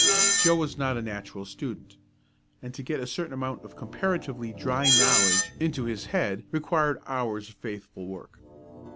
Joe was not a natural student, and to get a certain amount of comparatively dry knowledge into his head required hours of faithful work.